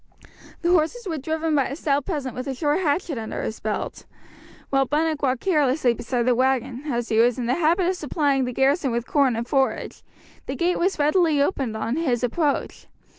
The horses were driven by a stout peasant with a short hatchet under his belt, while Bunnock walked carelessly beside the wagon. As he was in the habit of supplying the garrison with corn and forage, the gate was readily opened on his approach.